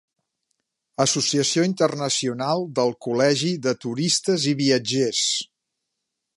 Associació Internacional del Col·legi de "Turistes i viatgers".